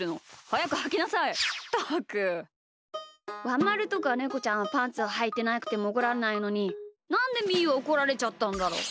ワンまるとかネコちゃんはパンツをはいてなくてもおこらんないのになんでみーはおこられちゃったんだろう。